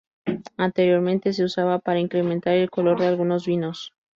Anteriormente se usaba para incrementar el color de algunos vinos.